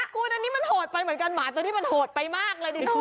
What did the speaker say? คุณอันนี้มันโหดไปเหมือนกันหมาตัวนี้มันโหดไปมากเลยดิฉัน